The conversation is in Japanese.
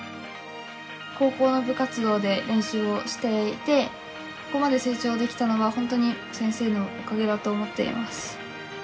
高校の部活動で練習をしていてここまで成長できたのは本当に、先生のおかげだと思っています。